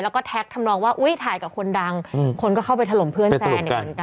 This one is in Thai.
แล้วก็แท็กทำนองว่าอุ้ยถ่ายกับคนดังคนก็เข้าไปถล่มเพื่อนแซนอีกเหมือนกัน